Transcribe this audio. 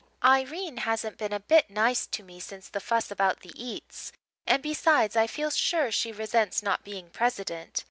Irene hasn't been a bit nice to me since the fuss about the eats; and besides I feel sure she resents not being president.